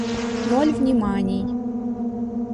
Ноль вниманий!